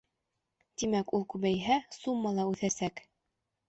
Тимәк, ул күбәйһә, сумма ла үҫәсәк.